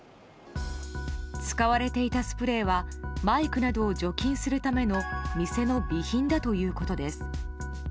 使われていたスプレーはマイクなどを除菌するための店の備品だということです。